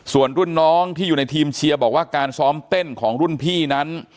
ส่วนรุ่นน้องที่อยู่ในทีมเชียร์บอกว่าการซ้อมเต้นของรุ่นพี่นั้น